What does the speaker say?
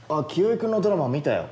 君のドラマ見たよ。